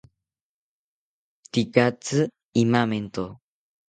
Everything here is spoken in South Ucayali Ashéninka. Tekatzi imamento